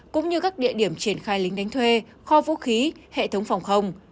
cũng như các địa điểm triển khai lính đánh thuê kho vũ khí hệ thống phòng không